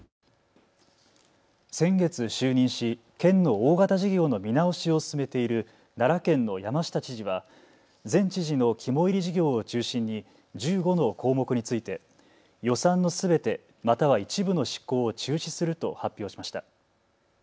先月、就任し、県の大型事業の見直しを進めている奈良県の山下知事は前知事の肝いり事業を中心に１５の項目について予算のすべて、または一部の執行を中止すると発表しました。